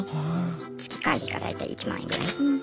月会費が大体１万円ぐらい。